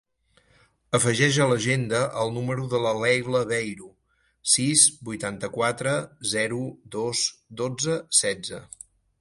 Afegeix a l'agenda el número de la Leila Beiro: sis, vuitanta-quatre, zero, dos, dotze, setze.